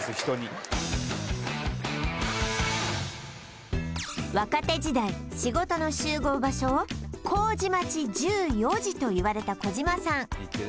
人に若手時代仕事の集合場所を「麹町１４時」と言われた児嶋さん